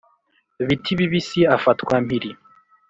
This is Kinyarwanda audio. Bitibibisi afatwa mpiri